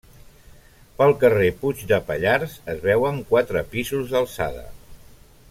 Pel carrer Puig de Pallars es veuen quatre pisos d'alçada.